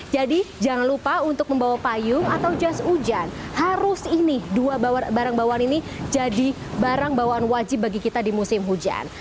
jadi jangan lupa untuk membawa payung atau just hujan harus ini dua barang bawaan ini jadi barang bawaan wajib bagi kita di musim hujan